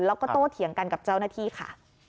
แล้วก็โตเถียงกันกับเจ้าหน้าที่ค่ะ